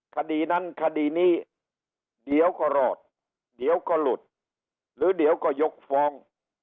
คดีนั้นคดีนี้เดี๋ยวก็รอดเดี๋ยวก็หลุดหรือเดี๋ยวก็ยกฟ้อง